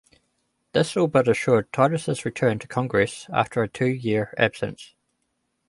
This all but assured Titus' return to Congress after a two-year absence.